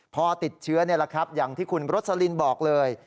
พอติดเชื้อนี่อย่างที่คุณฯภูเวสบอกเลย